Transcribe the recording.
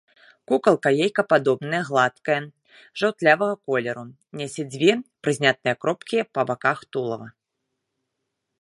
Кукалка яйкападобная, гладкая, жаўтлявага колеру, нясе дзве прыўзнятыя кропкі па баках тулава.